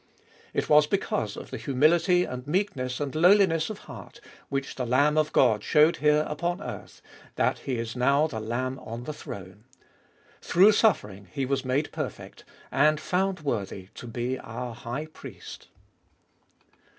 It was because of the humility and meekness and lowliness of heart, which the Lamb of God showed here upon earth, that He is now the Lamb on the throne. Through suffering He was made perfect, and found worthy to be our High Priest.